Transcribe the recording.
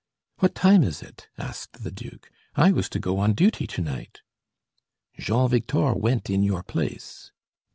"What time is it?" asked the duke. "I was to go on duty to night." "Jean Victor went in your place."